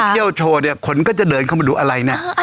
พอเคี่ยวแช่โชว์เนี่ยคนก็จะเดินมาดูอะไรนะ